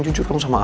jujur dong sama aku